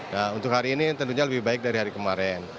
nah untuk hari ini tentunya lebih baik dari hari kemarin